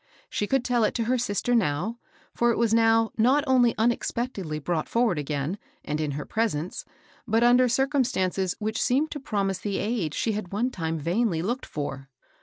She could tell it to her sister now ; for it was now not <nily unexpectedly brought forward again, and in her presence, but under circumstances which seemed to promise the aid she had one time vainly looked for.